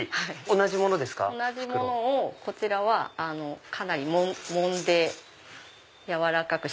同じものをこちらはかなりもんで柔らかく。